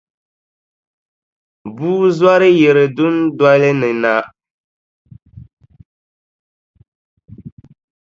Bua zɔri yiri dundolini na.